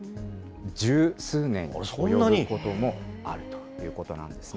十数年に及ぶこともあるということなんですね。